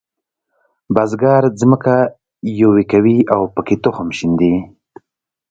بزګر ځمکه یوي کوي او پکې تخم شیندي.